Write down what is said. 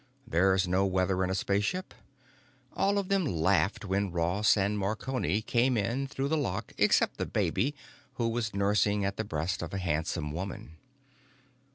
There's no weather in a space ship. All of them laughed when Ross and Marconi came in through the lock except the baby, who was nursing at the breast of a handsome woman.